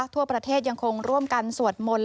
ทั่วประเทศยังคงร่วมกันสวดมนต์